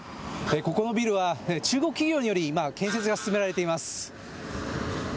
ここのビルは中国企業により今、建設が進められています。